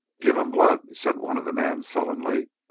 "Give him blood," said one of the men sullenly.